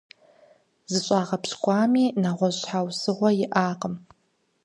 ЗыщӀагъэпщкӀуами нэгъуэщӀ щхьэусыгъуэ иӀакъым.